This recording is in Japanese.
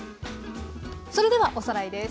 それではおさらいです。